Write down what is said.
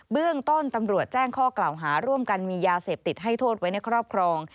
เรื่องต้นตำรวจแจ้งข้อกล่าวหาร่วมกันมียาเสพติดให้โทษไว้ในครอบครอง